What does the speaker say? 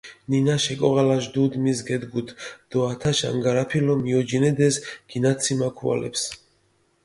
ნინაშ ეკოღალაშ დუდი მის გედგუდჷ დო ათაშ ანგარაფილო მიოჯინედეს გინაციმა ქუალეფს.